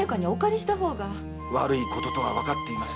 悪いこととはわかっています。